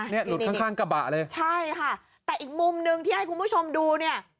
หลุดข้างกระบะเลยใช่ค่ะแต่อีกมุมนึงที่ให้คุณผู้ชมดู